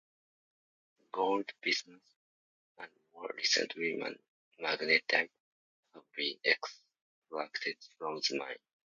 Gold, bismuth and more recently magnetite have been extracted from the mine.